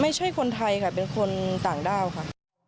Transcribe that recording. ไม่ใช่คนไทยค่ะเป็นคนต่างด้าวค่ะ